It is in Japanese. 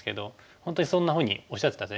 本当にそんなふうにおっしゃってました。